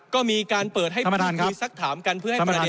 ก็มีการเปิดให้พูดคุยสักถามกันเพื่อให้ประเด็นเนี่ย